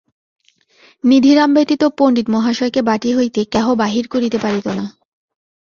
নিধিরাম ব্যতীত পণ্ডিতমহাশয়কে বাটী হইতে কেহ বাহির করিতে পারিত না।